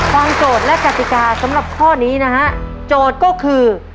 โจทย์และกติกาสำหรับข้อนี้นะฮะโจทย์ก็คือ